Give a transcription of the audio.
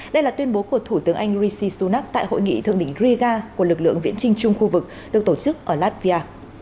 đây là tuyên bố của thủ tướng anh rishi sunak tại hội nghị thượng đỉnh riga của lực lượng viễn khu vực được tổ chức ở latvia